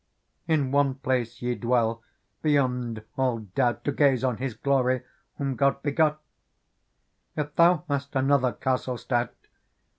In one place ye dwell, be jond all doubt. To gaze on His gloryWhom God b egot ; If thou hast ftnnttrg ricast le sto ut.